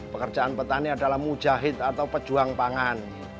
pekerjaan petani adalah mujahid atau pejuang pangan